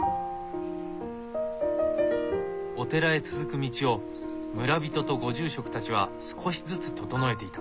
お寺へ続く道を村人とご住職たちは少しずつ整えていた。